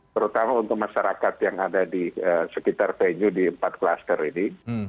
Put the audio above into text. terutama untuk masyarakat yang ada di sekitar venue di empat klaster ini